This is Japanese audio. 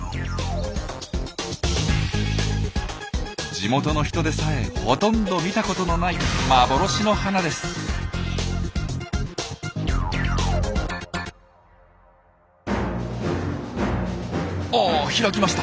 地元の人でさえほとんど見たことのないあ開きました。